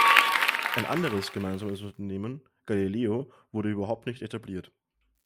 Ein anderes gemeinsames Unternehmen, Galileo, wurde überhaupt nicht etabliert.